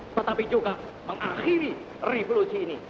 tetapi juga mengakhiri revolusi ini